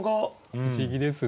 不思議ですね。